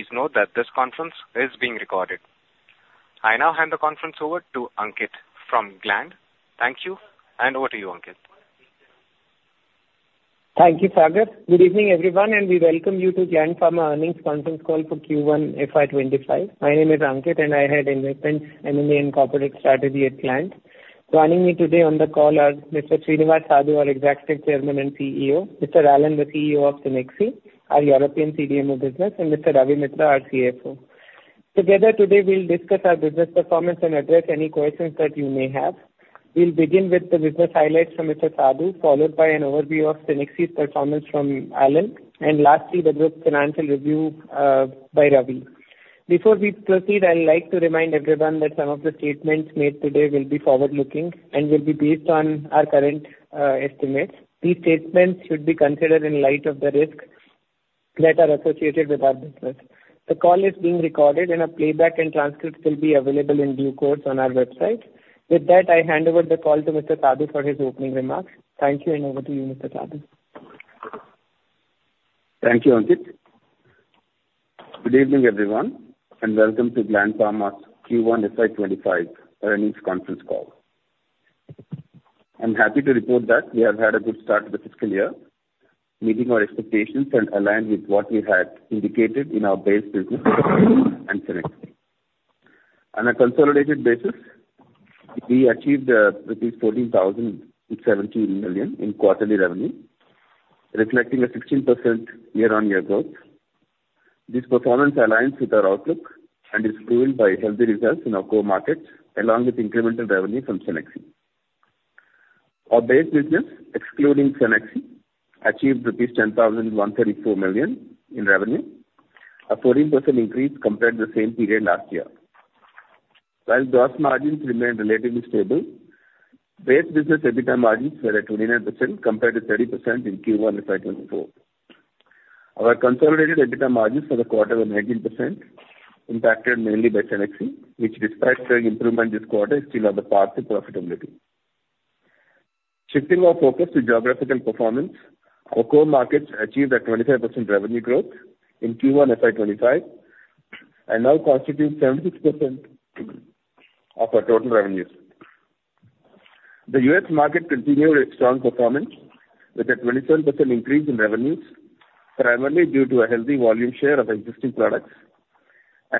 Please note that this conference is being recorded. I now hand the conference over to Ankit from Gland. Thank you, and over to you, Ankit. Thank you, Sagar. Good evening, everyone, and we welcome you to Gland Pharma earnings conference call for Q1 FY 2025. My name is Ankit, and I head Investments, M&A, and Corporate Strategy at Gland. Joining me today on the call are Mr. Srinivas Sadu, our Executive Chairman and CEO, Mr. Alain, the CEO of Cenexi, our European CDMO business, and Mr. Ravi Mitra, our CFO. Together today, we'll discuss our business performance and address any questions that you may have. We'll begin with the business highlights from Mr. Sadu, followed by an overview of Cenexi's performance from Alain, and lastly, the group's financial review by Ravi. Before we proceed, I'd like to remind everyone that some of the statements made today will be forward-looking and will be based on our current estimates. These statements should be considered in light of the risks that are associated with our business. The call is being recorded, and a playback and transcript will be available in due course on our website. With that, I hand over the call to Mr. Sadu for his opening remarks. Thank you, and over to you, Mr. Sadu. Thank you, Ankit. Good evening, everyone, and welcome to Gland Pharma's Q1 FY 2025 earnings conference call. I'm happy to report that we have had a good start to the fiscal year, meeting our expectations and aligned with what we had indicated in our base business and Cenexi. On a consolidated basis, we achieved rupees 14,070 million in quarterly revenue, reflecting a 16% year-on-year growth. This performance aligns with our outlook and is fueled by healthy results in our core markets, along with incremental revenue from Cenexi. Our base business, excluding Cenexi, achieved INR 10,134 million in revenue, a 14% increase compared to the same period last year. While gross margins remained relatively stable, base business EBITDA margins were at 29%, compared to 30% in Q1 FY 2024. Our consolidated EBITDA margins for the quarter were 19%, impacted mainly by Cenexi, which despite showing improvement this quarter, is still on the path to profitability. Shifting our focus to geographical performance, our core markets achieved a 25% revenue growth in Q1 FY 2025 and now constitute 76% of our total revenues. The U.S. market continued its strong performance with a 27% increase in revenues, primarily due to a healthy volume share of existing products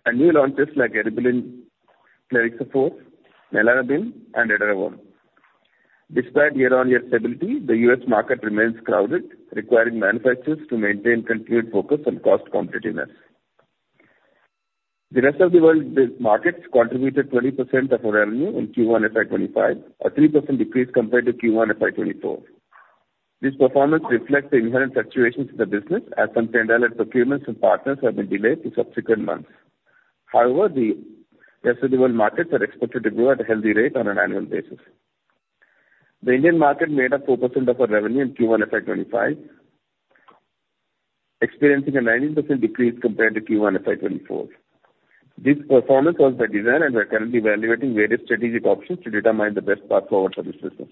and new launches like Eribulin, Plerixafor, Nelarabine, and Edaravone. Despite year-on-year stability, the U.S. market remains crowded, requiring manufacturers to maintain continued focus on cost competitiveness. The rest of the world business markets contributed 20% of our revenue in Q1 FY 2025, a 3% decrease compared to Q1 FY 2024. This performance reflects the inherent fluctuations in the business, as some planned procurement and partners have been delayed to subsequent months. However, the rest of the world markets are expected to grow at a healthy rate on an annual basis. The Indian market made up 4% of our revenue in Q1 FY 2025, experiencing a 19% decrease compared to Q1 FY 2024. This performance was by design, and we are currently evaluating various strategic options to determine the best path forward for this business.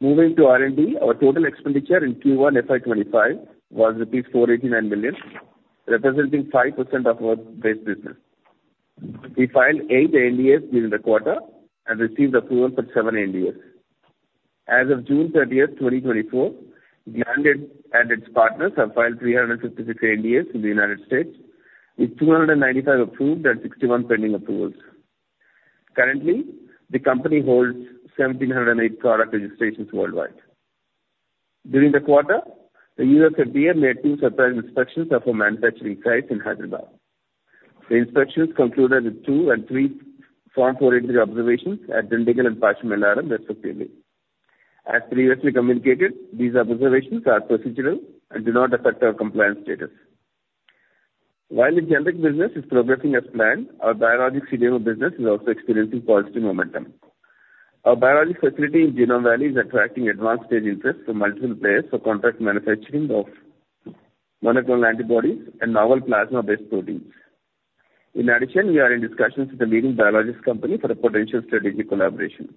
Moving to R&D, our total expenditure in Q1 FY 2025 was rupees 489 million, representing 5% of our base business. We filed eight ANDAs during the quarter and received approval for seven ANDAs. And of June 30th, 2024, Gland and its partners have filed 356 ANDAs in the United States, with 295 approved and 61 pending approvals. Currently, the company holds 1,708 product registrations worldwide. During the quarter, the U.S. FDA made two surprise inspections of our manufacturing sites in Hyderabad. The inspections concluded with two and three Form 483 observations at Dundigal and Pashamylaram, respectively. As previously communicated, these observations are procedural and do not affect our compliance status. While the generic business is progressing as planned, our biologics CDMO business is also experiencing positive momentum. Our biologics facility in Genome Valley is attracting advanced stage interest from multiple players for contract manufacturing of monoclonal antibodies and novel plasma-based proteins. In addition, we are in discussions with a leading biologics company for a potential strategic collaboration.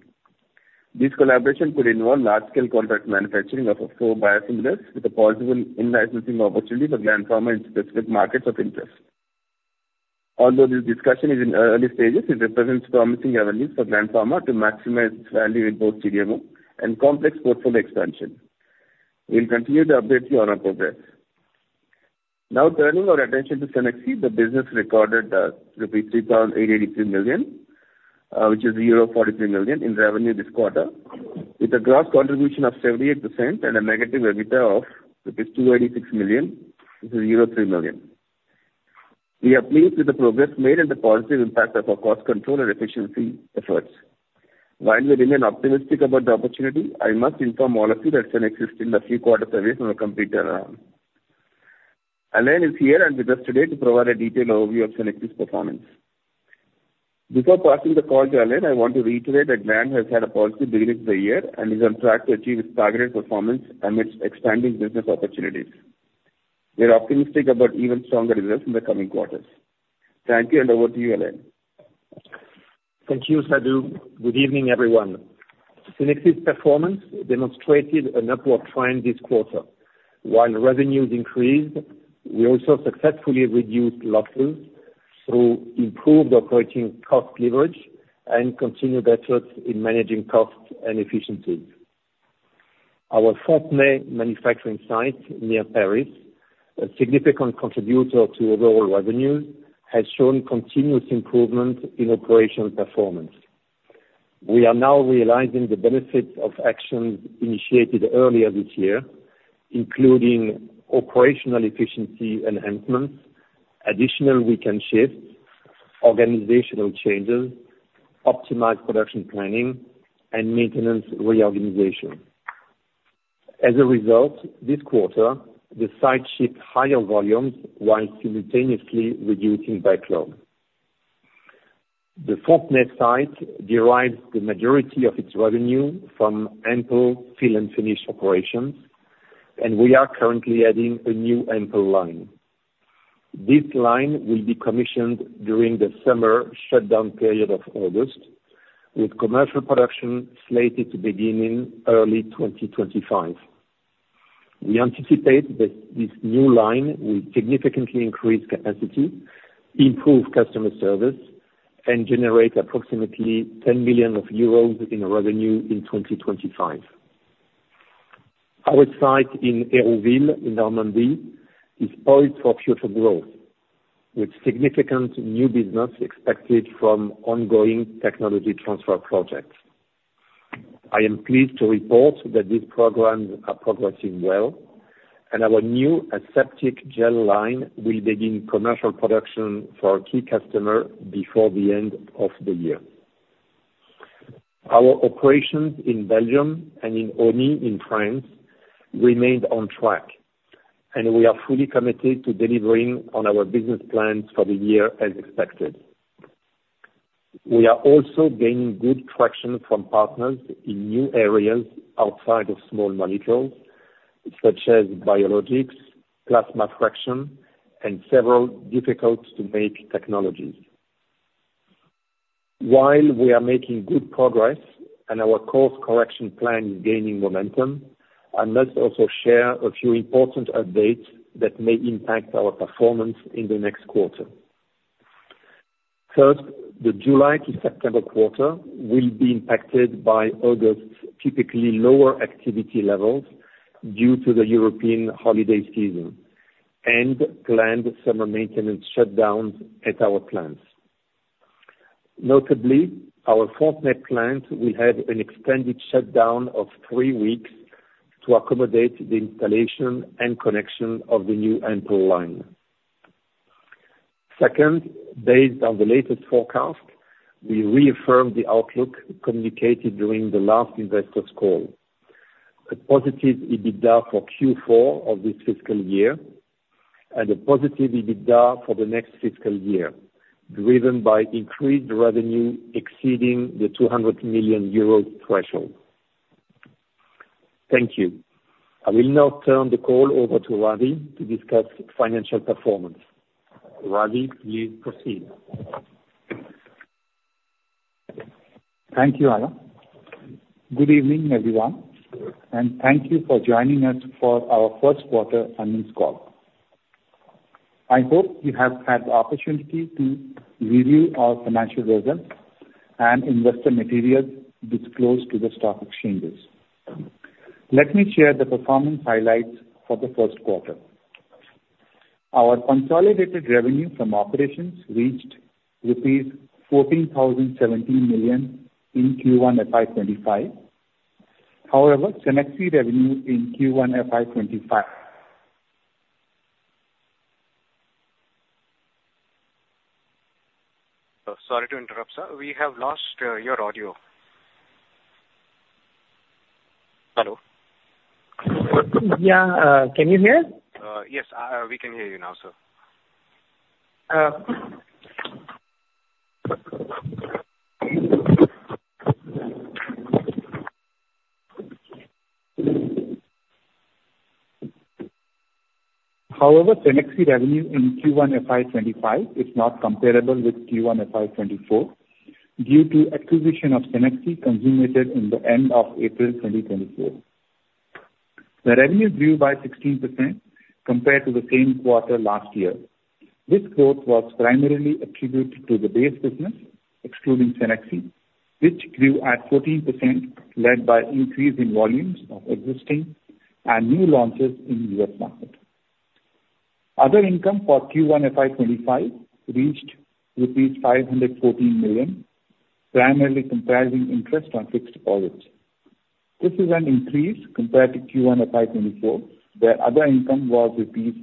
This collaboration could involve large-scale contract manufacturing of our four biosimilars with a possible in-licensing opportunity for Gland Pharma in specific markets of interest. Although this discussion is in early stages, it represents promising avenues for Gland Pharma to maximize value in both CDMO and complex portfolio expansion. We'll continue to update you on our progress. Now, turning our attention to Cenexi, the business recorded rupees 3,883 million, which is 43 million, in revenue this quarter, with a gross contribution of 78% and a negative EBITDA of 286 million, which is 3 million. We are pleased with the progress made and the positive impact of our cost control and efficiency efforts. While we remain optimistic about the opportunity, I must inform all of you that Cenexi is still a few quarters away from a complete turnaround. Alain is here and with us today to provide a detailed overview of Cenexi's performance. Before passing the call to Alain, I want to reiterate that Gland has had a positive beginning to the year and is on track to achieve its targeted performance amidst expanding business opportunities. We are optimistic about even stronger results in the coming quarters. Thank you, and over to you, Alain.... Thank you, Sadu. Good evening, everyone. Cenexi's performance demonstrated an upward trend this quarter. While revenues increased, we also successfully reduced losses through improved operating cost leverage and continued efforts in managing costs and efficiencies. Our Fontenay manufacturing site near Paris, a significant contributor to overall revenue, has shown continuous improvement in operational performance. We are now realizing the benefits of actions initiated earlier this year, including operational efficiency enhancements, additional weekend shifts, organizational changes, optimized production planning, and maintenance reorganization. As a result, this quarter, the site shipped higher volumes while simultaneously reducing backlog. The Fontenay site derives the majority of its revenue from ampoule fill and finish operations, and we are currently adding a new ampoule line. This line will be commissioned during the summer shutdown period of August, with commercial production slated to begin in early 2025. We anticipate that this new line will significantly increase capacity, improve customer service, and generate approximately 10 million euros in revenue in 2025. Our site in Hérouville, in Normandy, is poised for future growth, with significant new business expected from ongoing technology transfer projects. I am pleased to report that these programs are progressing well, and our new aseptic gel line will begin commercial production for a key customer before the end of the year. Our operations in Belgium and in Osny in France remained on track, and we are fully committed to delivering on our business plans for the year as expected. We are also gaining good traction from partners in new areas outside of small molecules, such as biologics, plasma fraction, and several difficult-to-make technologies. While we are making good progress and our course correction plan is gaining momentum, I must also share a few important updates that may impact our performance in the next quarter. First, the July to September quarter will be impacted by August's typically lower activity levels due to the European holiday season and planned summer maintenance shutdowns at our plants. Notably, our Fontenay plant will have an extended shutdown of three weeks to accommodate the installation and connection of the new ampoule line. Second, based on the latest forecast, we reaffirm the outlook communicated during the last investor's call. A positive EBITDA for Q4 of this fiscal year and a positive EBITDA for the next fiscal year, driven by increased revenue exceeding the 200 million euro threshold. Thank you. I will now turn the call over to Ravi to discuss financial performance. Ravi, please proceed. Thank you, Alain. Good evening, everyone, and thank you for joining us for our first quarter earnings call. I hope you have had the opportunity to review our financial results and investor materials disclosed to the stock exchanges. Let me share the performance highlights for the first quarter. Our consolidated revenue from operations reached rupees 14,070 million in Q1 FY 2025. However, Cenexi revenue in Q1 FY 2025- Sorry to interrupt, sir. We have lost your audio. Hello? Yeah, can you hear? Yes, we can hear you now, sir. However, Cenexi revenue in Q1 FY 2025 is not comparable with Q1 FY 2024 due to acquisition of Cenexi, consummated in the end of April 2024. The revenue grew by 16% compared to the same quarter last year. This growth was primarily attributed to the base business, excluding Cenexi, which grew at 14%, led by increase in volumes of existing and new launches in U.S. market. Other income for Q1 FY 2025 reached rupees 514 million, primarily comprising interest on fixed deposits. This is an increase compared to Q1 FY 2024, where other income was rupees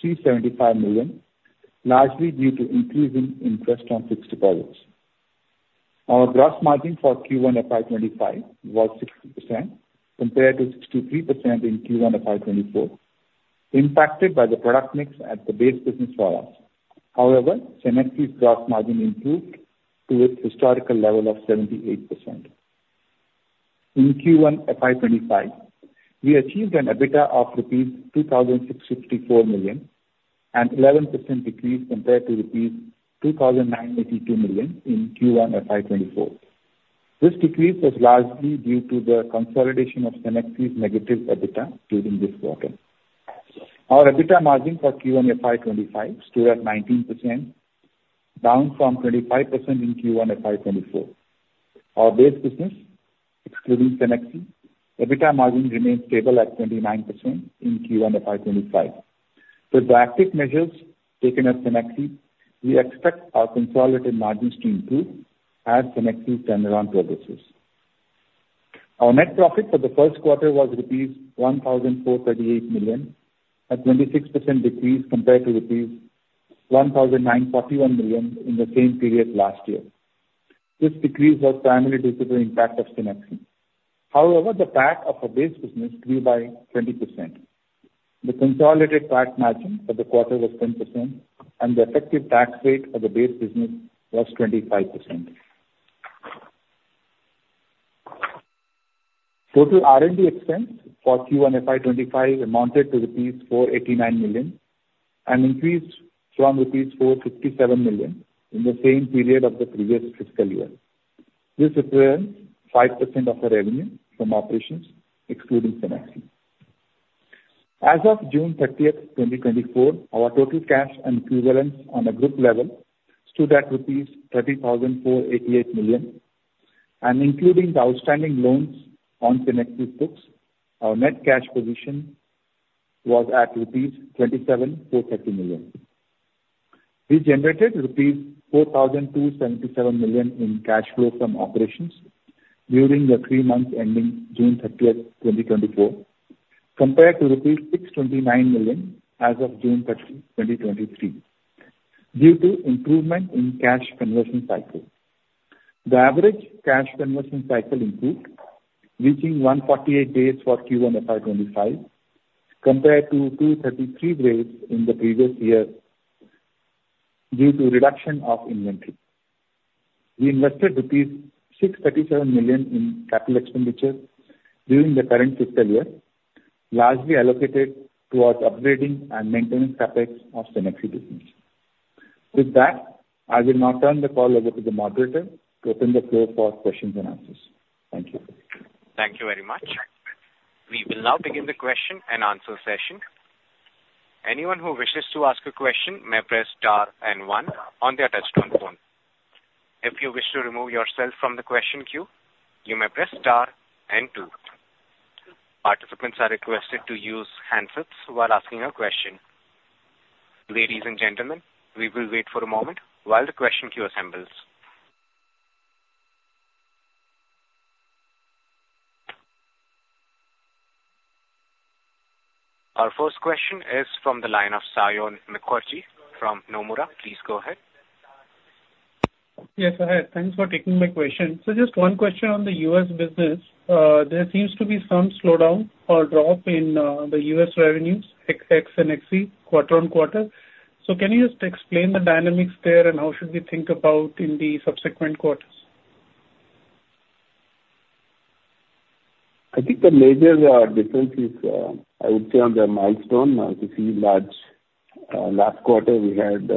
375 million, largely due to increase in interest on fixed deposits. Our gross margin for Q1 FY 2025 was 60% compared to 63% in Q1 FY 2024, impacted by the product mix at the base business for us. However, Cenexi's gross margin improved to its historical level of 78%. In Q1 FY 2025, we achieved an EBITDA of 2,664 million rupees, an 11% decrease compared to rupees 2,982 million in Q1 FY 2024. This decrease was largely due to the consolidation of Cenexi's negative EBITDA during this quarter. Our EBITDA margin for Q1 FY 2025 stood at 19%, down from 25% in Q1 FY 2024. Our base business, excluding Cenexi, EBITDA margin remained stable at 29% in Q1 FY 2025. With proactive measures taken at Cenexi, we expect our consolidated margins to improve as Cenexi's turnaround progresses. Our net profit for the first quarter was 1,438 million, a 26% decrease compared to 1,941 million in the same period last year. This decrease was primarily due to the impact of Cenexi. However, the PAT of our base business grew by 20%. The consolidated tax margin for the quarter was 10%, and the effective tax rate for the base business was 25%. Total R&D expense for Q1 FY 2025 amounted to rupees 489 million, an increase from rupees 457 million in the same period of the previous fiscal year. This represents 5% of our revenue from operations excluding Cenexi. As of June 30th, 2024, our total cash and equivalents on a group level stood at rupees 30,488 million, and including the outstanding loans on Cenexi books, our net cash position was at rupees 27,430 million. We generated rupees 4,277 million in cash flow from operations during the three months ending June 30th, 2024, compared to rupees 629 million as of June 30th, 2023, due to improvement in cash conversion cycle. The average cash conversion cycle increased, reaching 148 days for Q1 FY 2025 compared to 233 days in the previous year due to reduction of inventory. We invested rupees 637 million in capital expenditure during the current fiscal year, largely allocated towards upgrading and maintaining CapEx of Cenexi business. With that, I will now turn the call over to the moderator to open the floor for questions and answers. Thank you. Thank you very much. We will now begin the question and answer session. Anyone who wishes to ask a question may press star and one on their touchtone phone. If you wish to remove yourself from the question queue, you may press star and two. Participants are requested to use handsets while asking a question. Ladies and gentlemen, we will wait for a moment while the question queue assembles. Our first question is from the line of Saion Mukherjee from Nomura. Please go ahead. Yes, I had. Thanks for taking my question. So just one question on the U.S. business. There seems to be some slowdown or drop in the U.S. revenues, ex, ex Cenexi, quarter-on-quarter. So can you just explain the dynamics there and how should we think about in the subsequent quarters? I think the major difference is, I would say on the milestone receipts large. Last quarter, we had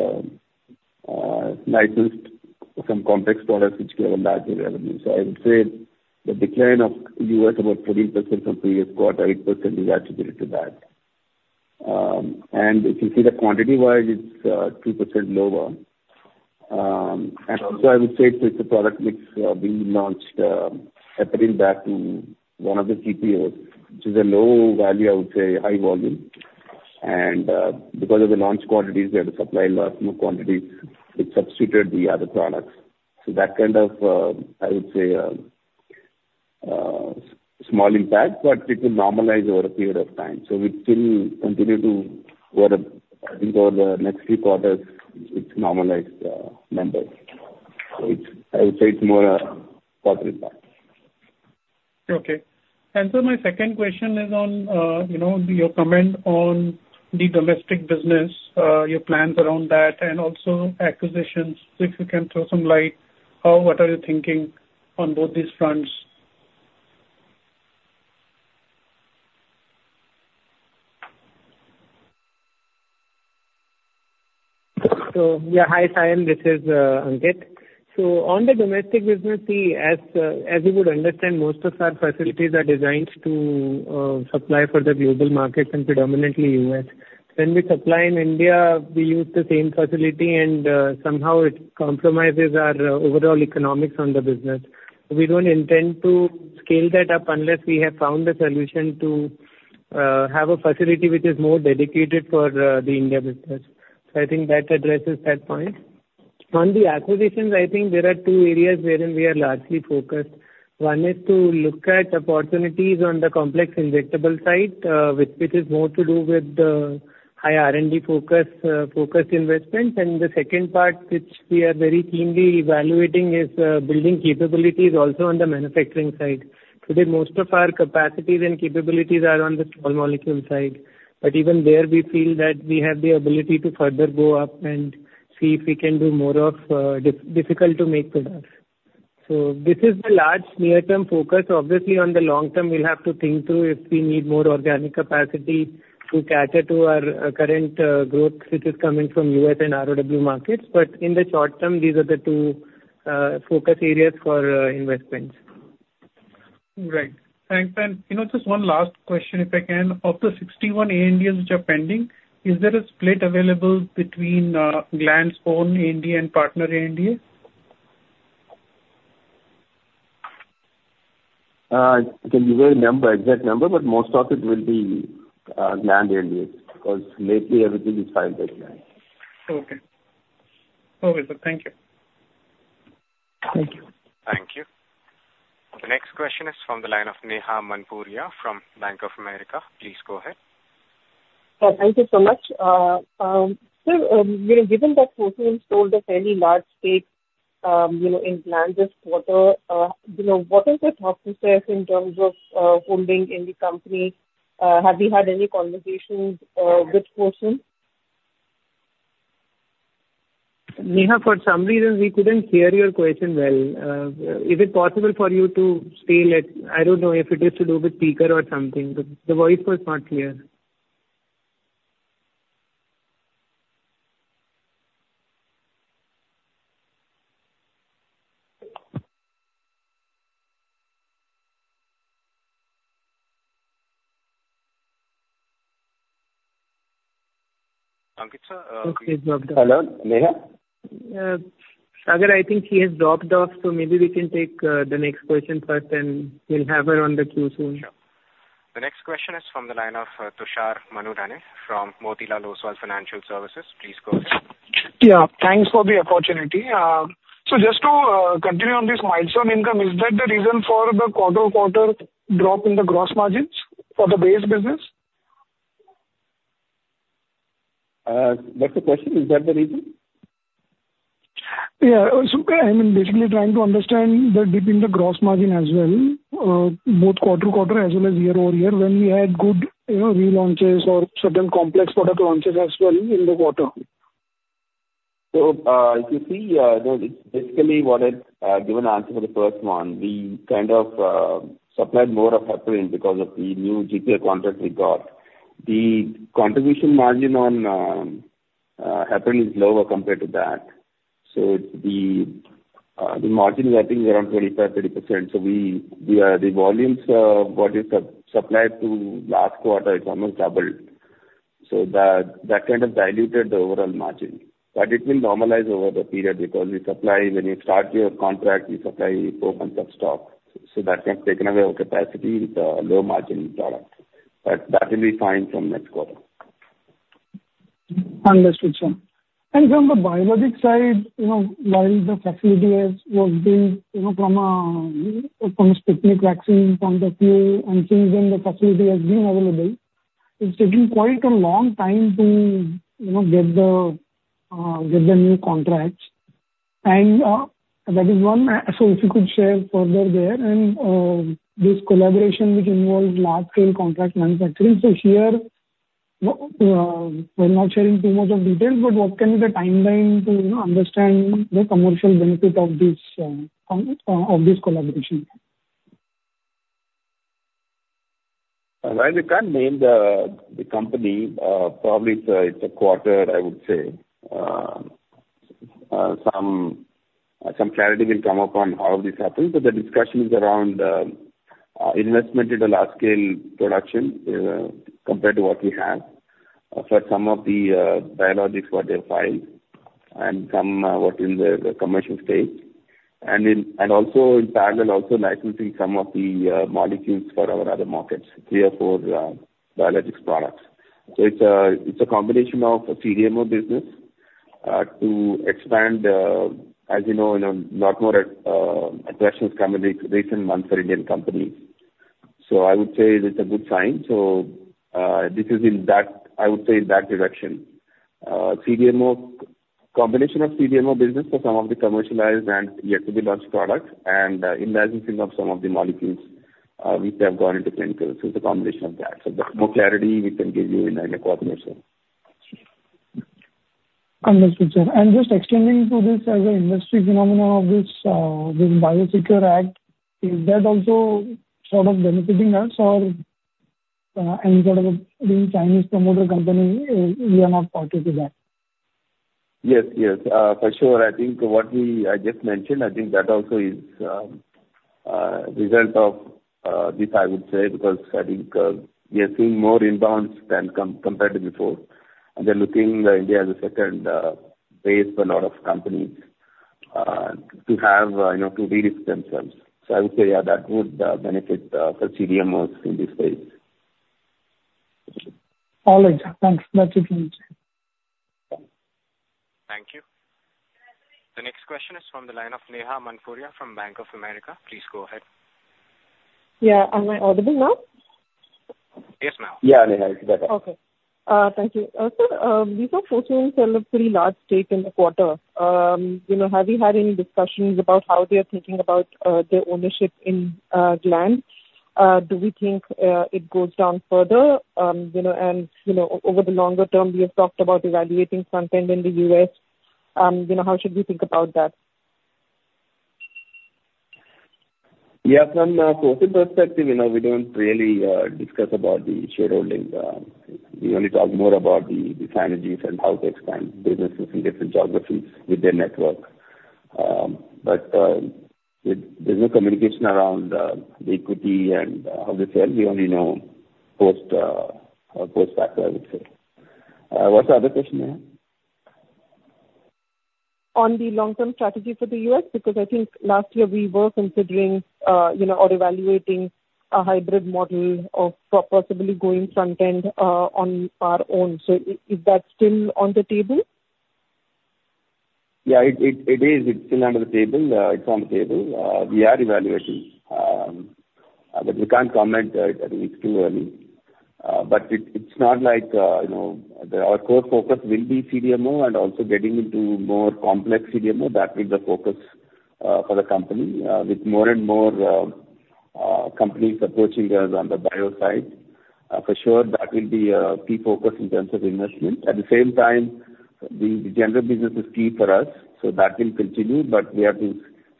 licensed some complex products which gave a larger revenue. So I would say the decline of U.S., about 13% from previous quarter, 8% is attributable to that. And if you see the quantity-wise, it's 2% lower. And also I would say it's a product which we launched, I think back in one of the GPOs, which is a low value, I would say, high volume. And because of the launch quantities, we had to supply large more quantities, which substituted the other products. So that kind of small impact, but it will normalize over a period of time. So we still continue to, over the, I think, over the next few quarters, it's normalized numbers. So it's, I would say it's more a positive impact. Okay. My second question is on, you know, your comment on the domestic business, your plans around that, and also acquisitions. If you can throw some light on what are you thinking on both these fronts? So, yeah, hi, Saion, this is Ankit. So on the domestic business, we, as you would understand, most of our facilities are designed to supply for the global market and predominantly U.S. When we supply in India, we use the same facility, and somehow it compromises our overall economics on the business. We don't intend to scale that up unless we have found a solution to have a facility which is more dedicated for the India business. So I think that addresses that point. On the acquisitions, I think there are two areas wherein we are largely focused. One is to look at opportunities on the complex injectable side, which, which is more to do with the high R&D focus, focused investments. And the second part, which we are very keenly evaluating, is building capabilities also on the manufacturing side. Today, most of our capacities and capabilities are on the small molecule side, but even there, we feel that we have the ability to further go up and see if we can do more of difficult-to-make products. So this is the large near-term focus. Obviously, on the long term, we'll have to think through if we need more organic capacity to cater to our current growth, which is coming from U.S. and ROW markets. But in the short term, these are the two focus areas for investments. Right. Thanks. And, you know, just one last question, if I can. Of the 61 ANDAs which are pending, is there a split available between Gland's own ANDA and partner ANDA? I can give you a number, exact number, but most of it will be Gland ANDAs, because lately everything is filed by Gland. Okay. Okay, sir. Thank you. Thank you. Thank you. The next question is from the line of Neha Manpuria from Bank of America. Please go ahead. Thank you so much. So, you know, given that Fosun sold a fairly large stake, you know, in Gland this quarter, you know, what is the thought process in terms of holding in the company? Have you had any conversations with Fosun? Neha, for some reason, we couldn't hear your question well. Is it possible for you to say it like... I don't know if it is to do with speaker or something. The voice was not clear. Ankit, sir, Okay, dropped off. Hello, Neha? Sagar, I think she has dropped off, so maybe we can take the next question first, and we'll have her on the queue soon. Sure. The next question is from the line of, Tushar Manudhane from Motilal Oswal Financial Services. Please go ahead. Yeah, thanks for the opportunity. So just to continue on this milestone income, is that the reason for the quarter-to-quarter drop in the gross margins for the base business? What's the question? Is that the reason? Yeah. So I mean, basically trying to understand the dip in the gross margin as well, both quarter-to-quarter as well as year-over-year, when we had good, you know, relaunches or certain complex product launches as well in the quarter? So, if you see, basically what I given answer for the first one, we kind of supplied more of Heparin because of the new GPO contract we got. The contribution margin on Heparin is lower compared to that. So the margin I think is around 25%-30%. So we, the volumes what is supplied to last quarter, it's almost doubled. So that kind of diluted the overall margin. But it will normalize over the period because we supply. When you start your contract, you supply open stock, so that has taken away our capacity with low margin products. But that will be fine from next quarter. Understood, sir. And from the biologic side, you know, while the facility has, was being, you know, from a, from a specific vaccine point of view, and since then the facility has been available, it's taking quite a long time to, you know, get the new contracts. And, that is one. So if you could share further there, and this collaboration which involves large-scale contract manufacturing. So here, we're not sharing too much of details, but what can be the timeline to, you know, understand the commercial benefit of this collaboration? While we can't name the company, probably it's a quarter, I would say. Some clarity will come up on how this happens. So the discussion is around investment in the large-scale production compared to what we have. For some of the biologics, what they've filed and some what in the commercial stage. And also in parallel, also licensing some of the molecules for our other markets, three or four biologics products. So it's a combination of CDMO business to expand, as you know, in a lot more attractions come in the recent months for Indian companies. So I would say it's a good sign. So this is in that, I would say, in that direction. CDMO, combination of CDMO business for some of the commercialized and yet to be launched products, and, in licensing of some of the molecules, which have gone into clinical. So it's a combination of that. So more clarity we can give you in a quarter or so. Understood, sir. Just extending to this as an industry phenomenon of this, this BIOSECURE Act, is that also sort of benefiting us or any sort of the Chinese promoter company, we are not party to that? Yes, yes, for sure. I think what we, I just mentioned, I think that also is, result of, this, I would say, because I think, we are seeing more inbounds than compared to before. They're looking India as a second, base for a lot of companies, to have, you know, to de-risk themselves. So I would say, yeah, that would, benefit, the CDMOs in this space. Got it. Thanks much again. Thank you. The next question is from the line of Neha Manpuria from Bank of America. Please go ahead. Yeah. Am I audible now? Yes, ma'am. Yeah, Neha, it's better. Okay. Thank you. Sir, we saw Fosun sell a pretty large stake in the quarter. You know, have you had any discussions about how they are thinking about their ownership in Gland?... Do we think it goes down further? You know, and, you know, over the longer term, we have talked about evaluating front-end in the U.S.. You know, how should we think about that? Yeah, from a corporate perspective, you know, we don't really discuss about the shareholding. We only talk more about the strategies and how to expand businesses in different geographies with their network. But there's no communication around the equity and how they sell. We only know post-facto, I would say. What's the other question there? On the long-term strategy for the U.S., because I think last year we were considering, you know, or evaluating a hybrid model of possibly going front-end, on our own. So is that still on the table? Yeah, it is. It's still on the table. It's on the table. We are evaluating, but we can't comment. It's still early. But it, it's not like, you know... Our core focus will be CDMO, and also getting into more complex CDMO. That is the focus for the company. With more and more companies approaching us on the bio side, for sure, that will be a key focus in terms of investment. At the same time, the general business is key for us, so that will continue, but we have to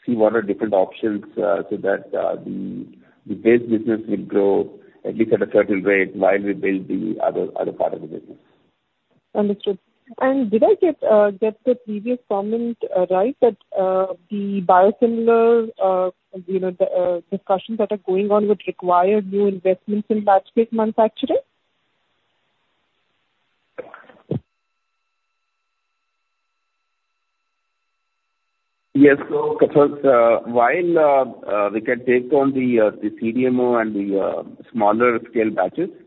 see what are different options, so that the base business will grow at least at a certain rate while we build the other part of the business. Understood. And did I get the previous comment right, that the biosimilar, you know, the discussions that are going on would require new investments in batch release manufacturing? Yes. So because while we can take on the CDMO and the smaller scale batches-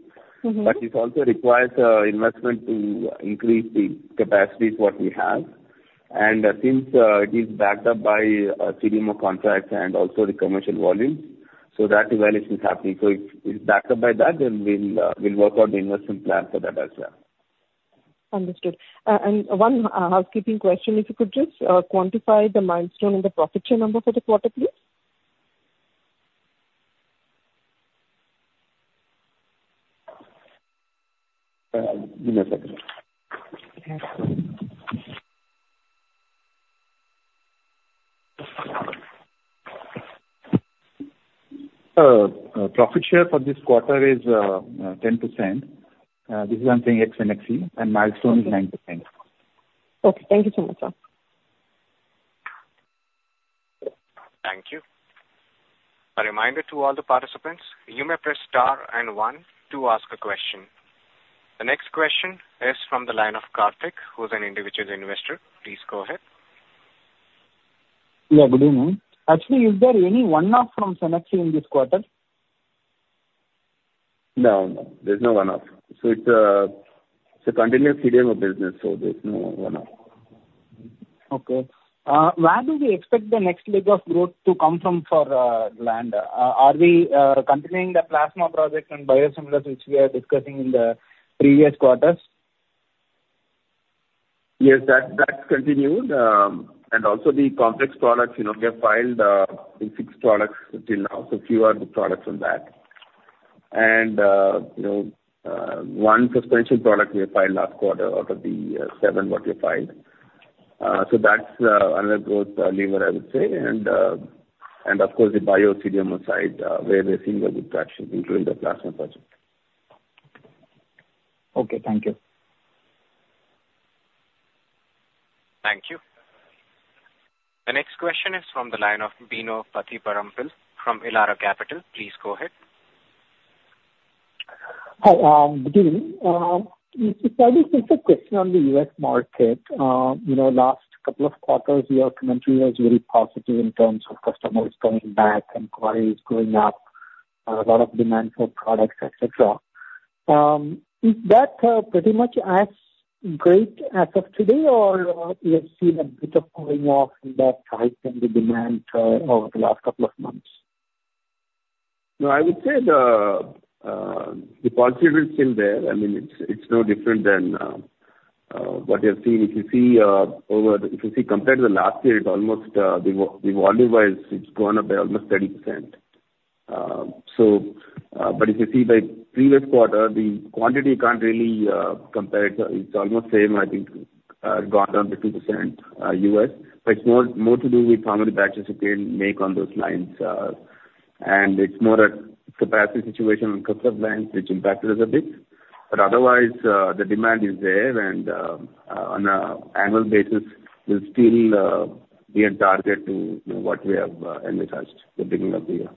Mm-hmm. But it also requires investment to increase the capacities what we have. And since it is backed up by CDMO contracts and also the commercial volumes, so that evaluation is happening. So if it's backed up by that, then we'll work out the investment plan for that as well. Understood. One housekeeping question: If you could just quantify the milestone and the profit share number for the quarter, please? Give me a second. Yes. Profit share for this quarter is 10%. This is I'm saying ex Cenexi, and milestone is 9%. Okay. Thank you so much, sir. Thank you. A reminder to all the participants, you may press star and one to ask a question. The next question is from the line of Kartik, who's an individual investor. Please go ahead. Yeah, good evening. Actually, is there any one-off from Cenexi in this quarter? No, no, there's no one-off. So it's, it's a continuous CDMO business, so there's no one-off. Okay. Where do we expect the next leg of growth to come from for Gland? Are we continuing the plasma project and biosimilars, which we are discussing in the previous quarters? Yes, that, that's continued. And also the complex products, you know, we have filed the six products until now, so few are good products on that. And, you know, one suspension product we filed last quarter out of the seven what we filed. So that's another growth lever, I would say. And, and of course, the bio CDMO side, where we're seeing a good traction, including the plasma project. Okay, thank you. Thank you. The next question is from the line of Bino Pathiparampil from Elara Capital. Please go ahead. Hi, good evening. Mr. Sadu, just a question on the U.S. market. You know, last couple of quarters, your commentary was very positive in terms of customers coming back and queries going up, a lot of demand for products, et cetera. Is that, pretty much as great as of today, or, you have seen a bit of cooling off from that hike in the demand, over the last couple of months? No, I would say the positive is still there. I mean, it's no different than what you have seen. If you see over the- if you see compared to the last year, it's almost the volume-wise, it's gone up by almost 30%. So, but if you see by previous quarter, the quantity can't really compare. It's almost same, I think, gone down by 2%, U.S., but more to do with how many batches you can make on those lines. And it's more a capacity situation on customer lines, which impacted us a bit. But otherwise, the demand is there, and on an annual basis, we'll still be on target to, you know, what we have envisaged the beginning of the year.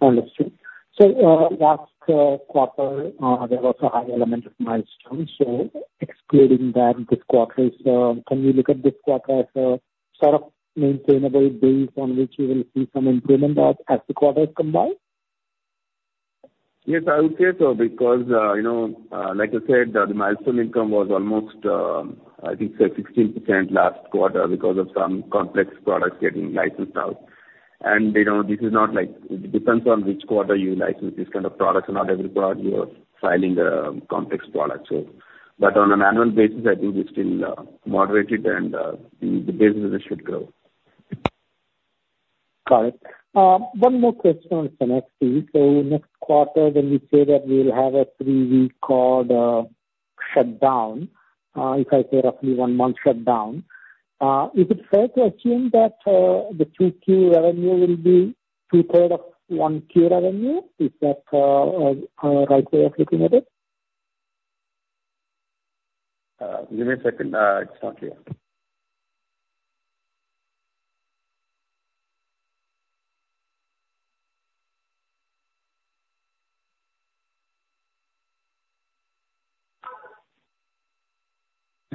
Understood. So, last quarter, there was a high element of milestones. So excluding that, this quarter, so can we look at this quarter as a sort of maintainable base on which we will see some improvement of as the quarters combine? Yes, I would say so, because, you know, like I said, the milestone income was almost, I think it's 16% last quarter because of some complex products getting licensed out. And, you know, this is not like... It depends on which quarter you license this kind of products. Not every quarter you are filing a complex product. So, but on an annual basis, I think it's still, moderated and, the business should grow. ... Got it. One more question on Cenexi. So next quarter, when you say that we'll have a three-week called shutdown, if I say roughly one month shutdown, is it fair to assume that the Q2 revenue will be 2/3 of Q1 revenue? Is that a right way of looking at it? Give me a second. It's not clear.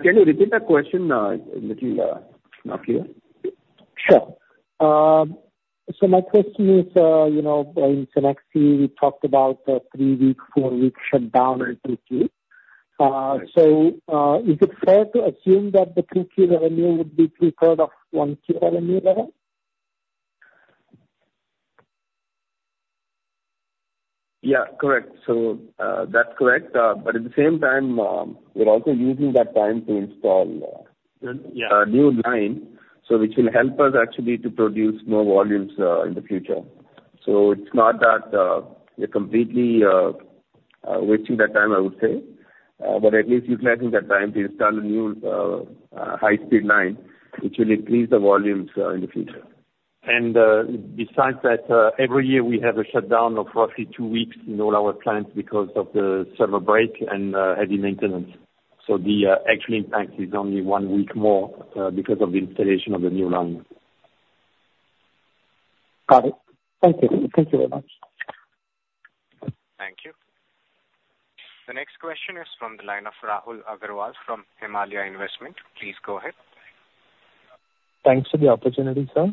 Can you repeat that question? A little, not clear. Sure. So my question is, you know, in Cenexi, we talked about a three-week, four-week shutdown in Q2. So, is it fair to assume that the Q2 revenue would be 2/3 of one quarter revenue level? Yeah. Correct. So, that's correct. But at the same time, we're also using that time to install, Yeah... a new line, so which will help us actually to produce more volumes in the future. So it's not that we're completely wasting that time, I would say. But at least utilizing that time to install a new high-speed line, which will increase the volumes in the future. Besides that, every year we have a shutdown of roughly two weeks in all our plants because of the summer break and heavy maintenance. The actual impact is only one week more because of the installation of the new line. Got it. Thank you. Thank you very much. Thank you. The next question is from the line of Rahul Agarwal from Himalaya Capital. Please go ahead. Thanks for the opportunity, sir.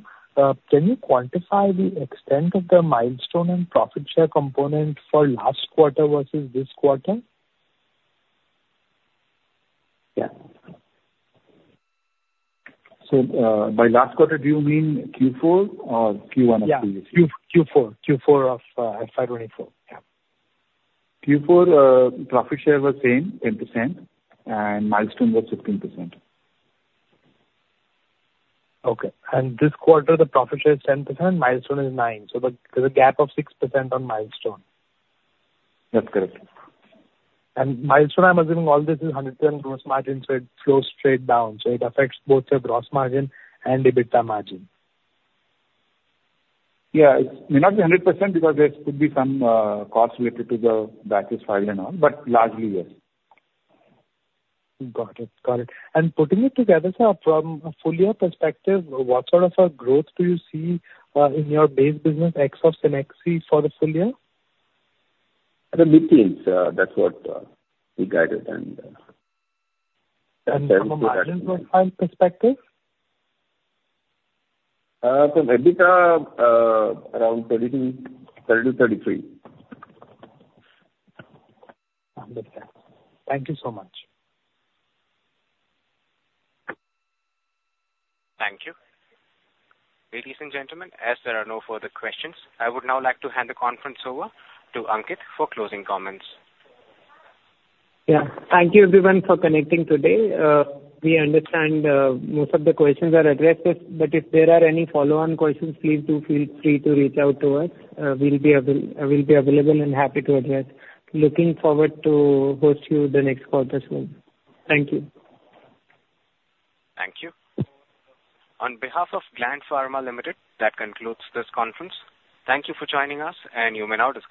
Can you quantify the extent of the milestone and profit share component for last quarter versus this quarter? Yeah. So, by last quarter, do you mean Q4 or Q1? Yeah, Q4. Q4 of 2024. Yeah. Q4, profit share was same, 10%, and milestone was 15%. Okay. This quarter, the profit share is 10%, milestone is nine, so there's a gap of 6% on milestone. That's correct. Milestone, I'm assuming all this is 100% gross margin, so it flows straight down, so it affects both the gross margin and EBITDA margin. Yeah. It may not be 100%, because there could be some costs related to the batches filed and all, but largely, yes. Got it. Got it. Putting it together, sir, from a full year perspective, what sort of a growth do you see in your base business ex of Cenexi for the full year? The mid-teens, that's what we guided and, From a margin profile perspective? So, EBITDA around 30-33. Understood. Thank you so much. Thank you. Ladies and gentlemen, as there are no further questions, I would now like to hand the conference over to Ankit for closing comments. Yeah. Thank you everyone for connecting today. We understand most of the questions are addressed, but if there are any follow-on questions, please do feel free to reach out to us. We'll be available and happy to address. Looking forward to host you the next quarter as well. Thank you. Thank you. On behalf of Gland Pharma Limited, that concludes this conference. Thank you for joining us, and you may now disconnect.